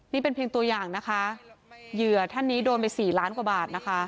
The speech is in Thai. นี่เป็นเพียงตัวอย่างนะคะเหยื่อท่านนี้โดนไปสี่ล้านกว่าบาทนะคะ